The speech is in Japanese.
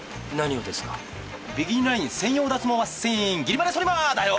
ビキニライン専用脱毛マシン「ギリマデソリマー」だよ！